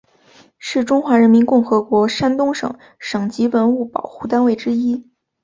是中华人民共和国山东省省级文物保护单位之一。